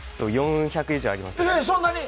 ４００以上あります。